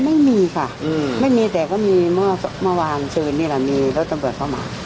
ไม่มีค่ะไม่มีแต่ก็มีเมื่อวานเชิญนี่แหละมีรถตำรวจเข้ามา